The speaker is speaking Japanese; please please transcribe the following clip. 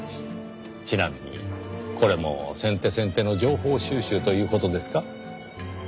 ちなみにこれも先手先手の情報収集という事ですか？